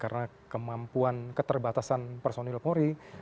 karena kemampuan keterbatasan personil polri